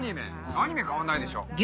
アニメ変わんないでしょ。